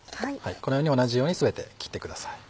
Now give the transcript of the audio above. このように同じように全て切ってください。